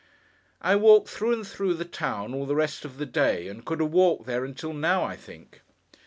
I walked through and through the town all the rest of the day, and could have walked there until now, I think.